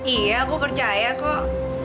iya aku percaya kok